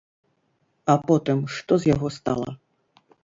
А потым што з яго стала?